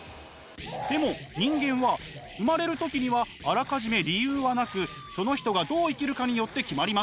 でも人間は生まれる時にはあらかじめ理由はなくその人がどう生きるかによって決まります。